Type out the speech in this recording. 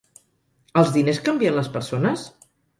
Els diners canvien les persones?